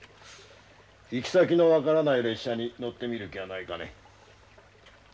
「行き先の分からない列車に乗ってみる気はないかね？」。